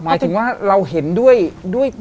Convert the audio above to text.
หมายถึงว่าเราเห็นด้วย